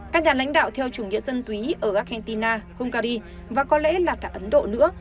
các nhà lãnh đạo theo chủ nghĩa dân túy ở argentina hungary và có lẽ là cả ấn độ nữa